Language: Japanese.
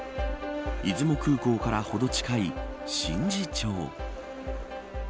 出雲空港からほど近い宍道町。